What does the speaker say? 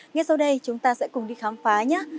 ngay sau đây chúng ta sẽ cùng đi khám phá nhé